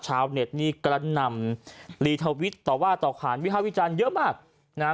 ชาวเน็ตนี่กระนำต่อว่าต่อความวิทยาลัยวิทยาลัยเยอะมากนะฮะ